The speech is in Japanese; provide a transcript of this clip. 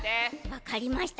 わかりました。